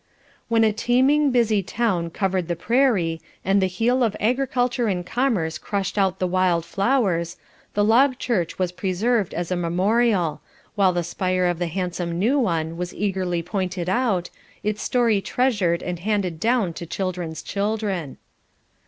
When a teeming, busy town covered the prairie, and the heel of agriculture and commerce crushed out the wild flowers, the log church was preserved as a memorial, while the spire of the handsome new one was eagerly pointed out, its story treasured and handed down to children's children.